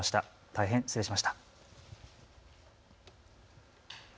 大変、失礼しました。